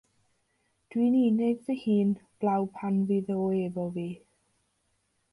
Dw i'n unig fy hun 'blaw pan fydd o efo fi.